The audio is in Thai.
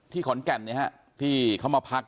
ที่ขอนแกนเนี่ยที่เขามาพัก